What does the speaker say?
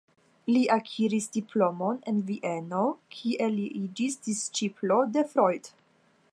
Li akiris diplomon en Vieno, kie li iĝis disĉiplo de Freud.